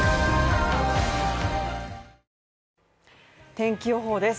天気予報です。